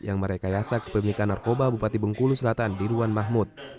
yang merekayasa kepemilikan narkoba bupati bengkulu selatan dirwan mahmud